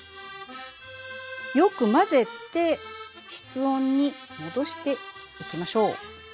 よく混ぜて室温に戻していきましょう。